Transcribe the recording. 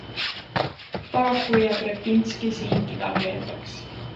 Paraku jääb Repinski siin kidakeelseks.